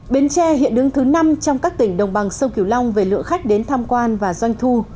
bến tre hiện đứng thứ năm trong các tỉnh đồng bằng sông kiều long về lượng khách đến tham quan và doanh thu